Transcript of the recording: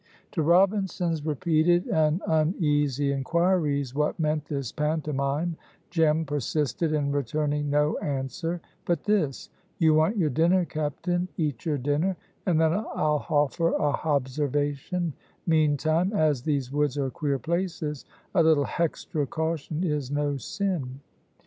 To Robinson's repeated and uneasy inquiries what meant this pantomime, Jem persisted in returning no answer but this: "You want your dinner, captain; eat your dinner, and then I'll hoffer a hobservation; meantime, as these woods are queer places, a little hextra caution is no sin."